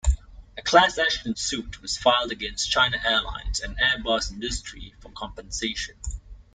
A class action suit was filed against China Airlines and Airbus Industrie for compensation.